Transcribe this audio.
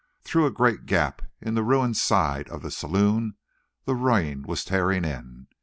Through a great gap in the ruined side of the saloon the rain was tearing in.